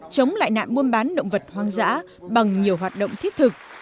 chống lại nạn buôn bán động vật hoang dã bằng nhiều hoạt động thiết thực